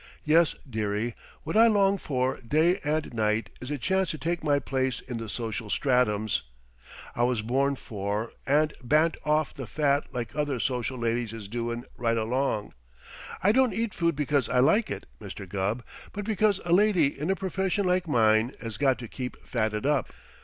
Yes, dearie, what I long for day and night is a chance to take my place in the social stratums I was born for and bant off the fat like other social ladies is doin' right along. I don't eat food because I like it, Mr. Gubb, but because a lady in a profession like mine has got to keep fatted up.